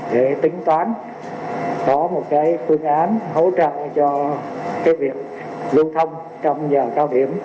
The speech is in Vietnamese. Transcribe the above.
để tính toán có một phương án hỗ trợ cho việc lưu thông trong giờ cao điểm